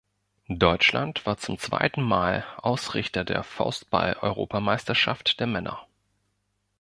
Deutschland war zum zweiten Mal Ausrichter der Faustball-Europameisterschaft der Männer.